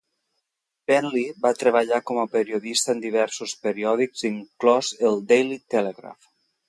Bentley va treballar com a periodista en diversos periòdics, inclòs el "Daily Telegraph".